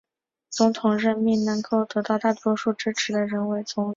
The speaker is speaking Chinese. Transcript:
总统任命能够在人民院得到大多数支持的人为总理。